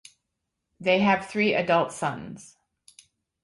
They have three adult sons.